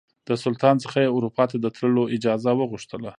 د سلطان څخه یې اروپا ته د تللو اجازه وغوښتله.